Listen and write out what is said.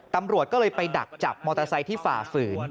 ตำรวจก็เลยไปดักจับมอเตอร์ไซค์ที่ฝ่าฝืน